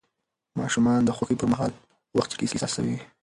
ماشومان د خوښۍ پر مهال وخت چټک احساسوي.